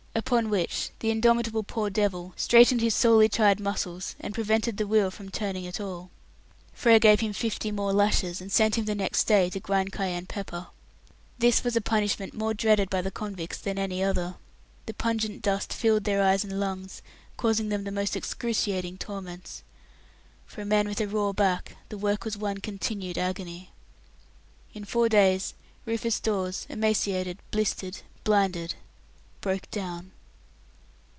Upon which the indomitable poor devil straightened his sorely tried muscles, and prevented the wheel from turning at all. Frere gave him fifty more lashes, and sent him the next day to grind cayenne pepper. This was a punishment more dreaded by the convicts than any other. The pungent dust filled their eyes and lungs, causing them the most excruciating torments. For a man with a raw back the work was one continued agony. In four days Rufus Dawes, emaciated, blistered, blinded, broke down.